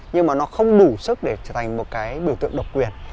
nhưng mà nó không đủ sức để trở thành một cái biểu tượng độc quyền